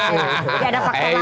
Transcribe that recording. ya ada fakta lain